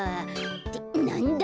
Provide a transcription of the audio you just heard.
ってなんだ？